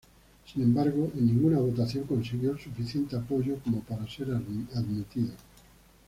Sin embargo, en ninguna votación consiguió el suficiente apoyo como para ser admitido.